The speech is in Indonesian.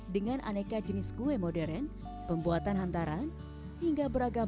dengan aneka jenis kue modern pembuatan hantaran hingga beragam